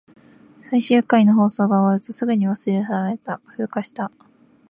最終回の放送が終わると、すぐに忘れ去られた。風化した。